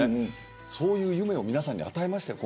そういう夢を皆さんに与えましたよ。